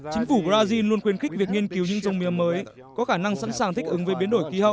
chính phủ brazil luôn khuyến khích việc nghiên cứu những dòng mía mới có khả năng sẵn sàng thích ứng với biến đổi khí hậu